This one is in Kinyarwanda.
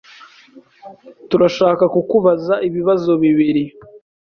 Turashaka kukubaza ibibazo bibiri.